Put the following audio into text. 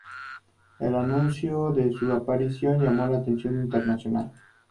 El anuncio de su aparición llamó la atención internacional.